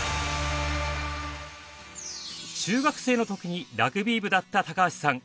中学生の時にラグビー部だった高橋さん。